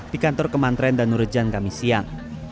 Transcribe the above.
di kantor kemantren dan nurjan kami siang